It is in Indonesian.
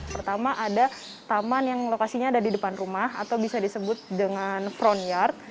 pertama ada taman yang lokasinya ada di depan rumah atau bisa disebut dengan front yard